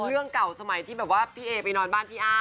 เรื่องเก่าสมัยที่แบบว่าพี่เอไปนอนบ้านพี่อ้าม